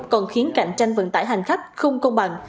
còn khiến cạnh tranh vận tải hành khách không công bằng